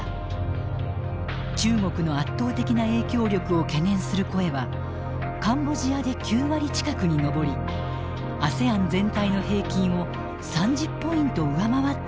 中国の圧倒的な影響力を懸念する声はカンボジアで９割近くに上りＡＳＥＡＮ全体の平均を３０ポイント上回っていました。